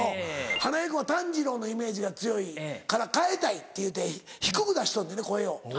花江君は炭治郎のイメージが強いから変えたいっていうて低く出しとんねんね声を。